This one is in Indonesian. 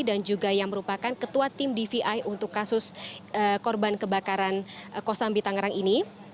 dan juga yang merupakan ketua tim dvi untuk kasus korban kebakaran kostambi tangerang ini